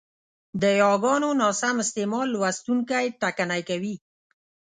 د یاګانو ناسم استعمال لوستوونکی ټکنی کوي،